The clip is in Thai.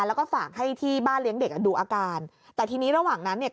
แล้วก็ฝากให้ที่บ้านเลี้ยงเด็กอ่ะดูอาการแต่ทีนี้ระหว่างนั้นเนี่ย